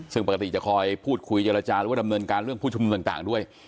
ซึ่งปกติจะคอยพูดคุยเยอะระจาดำเนินการเรื่องผู้ชมทั้งด้วย